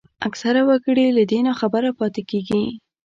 اکثره وګړي له دې ناخبره پاتېږي